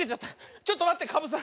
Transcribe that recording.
ちょっとまってかぶさん！